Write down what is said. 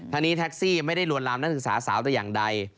นี้แท็กซี่ไม่ได้ลวนลามนักศึกษาสาวแต่อย่างใด